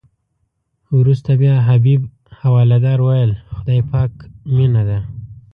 وروسته بیا حبیب حوالدار ویل خدای پاک مینه ده.